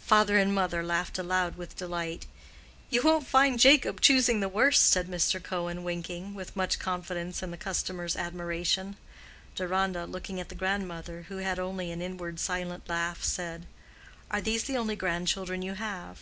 Father and mother laughed aloud with delight. "You won't find Jacob choosing the worst," said Mr. Cohen, winking, with much confidence in the customer's admiration. Deronda, looking at the grandmother, who had only an inward silent laugh, said, "Are these the only grandchildren you have?"